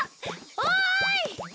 おい！